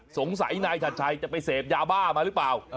สงสัยนายชัดชัยจะไปเสพยาบ้ามาหรือเปล่า